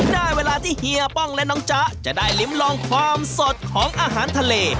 ได้เวลาที่เฮียป้องและน้องจ๊ะจะได้ลิ้มลองความสดของอาหารทะเล